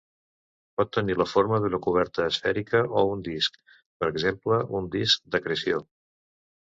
Pot tenir la forma d'una coberta esfèrica o un disc, per exemple un disc d'acreció.